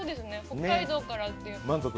北海道からという。